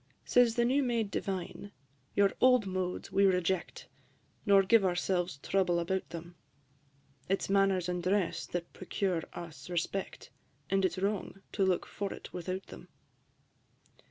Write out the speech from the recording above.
IV. Says the new made Divine, "Your old modes we reject, Nor give ourselves trouble about them: It is manners and dress that procure us respect, And it 's wrong to look for it without them."